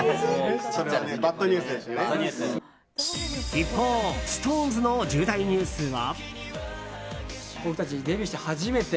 一方、ＳｉｘＴＯＮＥＳの重大ニュースは。